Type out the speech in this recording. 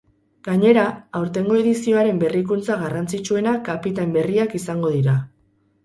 Gainera, aurtengo edizioaren berrikuntza garrantzitsuena kapitain berriak izango dira.